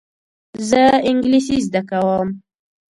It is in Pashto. زه انګلیسي زده کوم.